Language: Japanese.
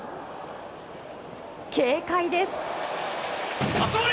軽快です。